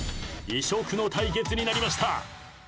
異色の対決になりました。